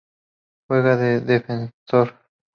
Juega de defensor.